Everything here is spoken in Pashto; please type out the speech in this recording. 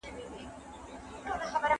کار ژوند نه دی.